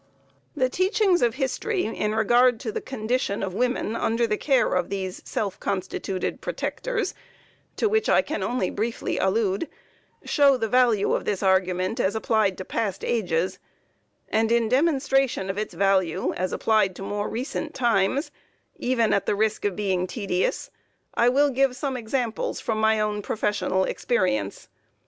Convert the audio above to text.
The teachings of history in regard to the condition of women under the care of these self constituted protectors, to which I can only briefly allude, show the value of this argument as applied to past ages; and in demonstration of its value as applied to more recent times, even at the risk of being tedious, I will give some examples from my own professional experience.